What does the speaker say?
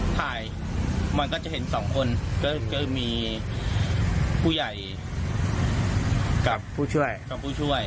ถ่ายมันก็จะเห็นสองคนก็จะมีผู้ใหญ่กับผู้ช่วย